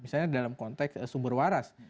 misalnya dalam konteks sumber waras